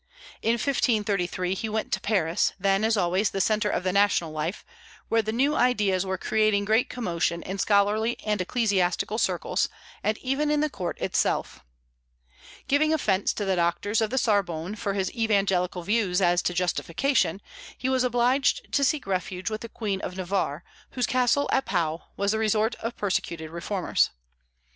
In 1533 he went to Paris, then as always the centre of the national life, where the new ideas were creating great commotion in scholarly and ecclesiastical circles, and even in the court itself. Giving offence to the doctors of the Sorbonne for his evangelical views as to Justification, he was obliged to seek refuge with the Queen of Navarre, whose castle at Pau was the resort of persecuted reformers.